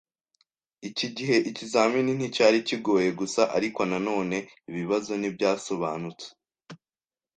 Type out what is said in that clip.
Iki gihe, ikizamini nticyari kigoye gusa, ariko nanone, ibibazo ntibyasobanutse.